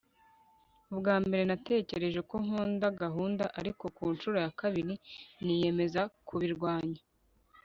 Ubwa mbere natekereje ko nkunda gahunda ariko ku ncuro ya kabiri niyemeza kubirwanya